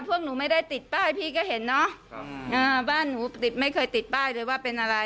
พวกหนูไม่ได้ติดป้ายพี่ก็เห็นเนาะบ้านหนูติดไม่เคยติดป้ายเลยว่าเป็นอะไร